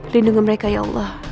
lindungi mereka ya allah